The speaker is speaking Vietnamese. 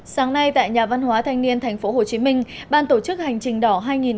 sáng nay tại nhà văn hóa thanh niên tp hcm ban tổ chức hành trình đỏ hai nghìn một mươi chín